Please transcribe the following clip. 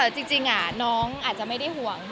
จริงน้องอาจจะไม่ได้ห่วง